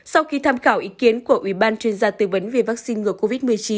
sau khi tham khảo ý kiến của ủy ban chuyên gia tư vấn về vaccine ngừa covid một mươi chín